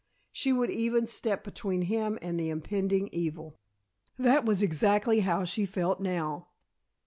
She would even step between him and the impending evil. That was exactly how she felt now.